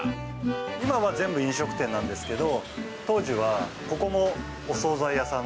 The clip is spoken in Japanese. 今は全部飲食店なんですけど、当時は、ここもお総菜屋さん。